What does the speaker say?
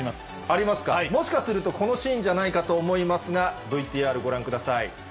もしかすると、このシーンじゃないかと思いますが、ＶＴＲご覧ください。